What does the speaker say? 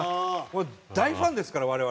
大ファンですから我々。